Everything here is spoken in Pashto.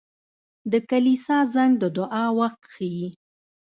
• د کلیسا زنګ د دعا وخت ښيي.